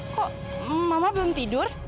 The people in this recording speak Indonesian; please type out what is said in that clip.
kok mama belum tidur